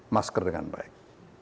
masker dengan baik